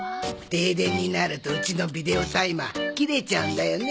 停電になるとうちのビデオタイマー切れちゃうんだよね。